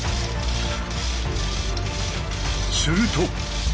すると。